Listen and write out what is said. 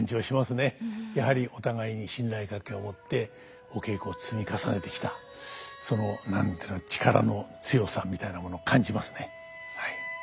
やはりお互いに信頼関係を持ってお稽古を積み重ねてきたその何て言うのかな力の強さみたいなもの感じますねはい。